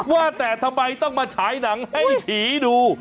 ว่าแต่ทำไมต้องมาฉายหนังให้ผีดู